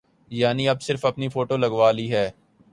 یعنی اب صرف اپنی فوٹو لگوا لی ہے۔